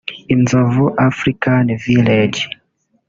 Inzovu African village